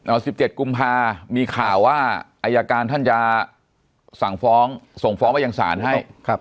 สิบเจ็ดกุมภามีข่าวว่าอายการท่านจะสั่งฟ้องส่งฟ้องไปยังศาลให้ครับ